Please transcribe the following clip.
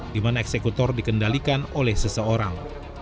di mana eksekutor dikendalikan oleh seseorang